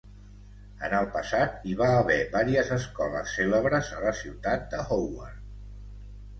En el passat, hi va haver vàries escoles cèlebres a la ciutat de Howard.